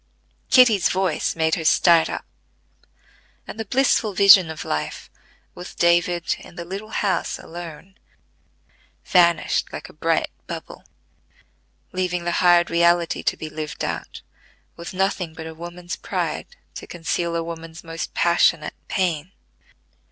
Kitty's voice made her start up, and the blissful vision of life, with David in the little house alone, vanished like a bright bubble, leaving the hard reality to be lived out with nothing but a woman's pride to conceal a woman's most passionate pain.